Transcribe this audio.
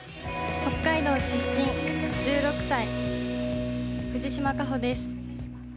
北海道出身、１６歳、藤嶌果歩です。